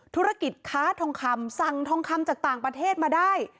ธุรกิจค้าทองคำสั่งทองคำจากต่างประเทศมาได้